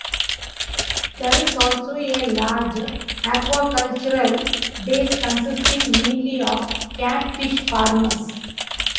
There is also a large aquacultural base consisting mainly of catfish farmers.